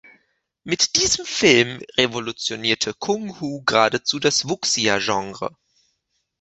Mit diesem Film revolutionierte Kung Hu geradezu das Wuxia-Genre.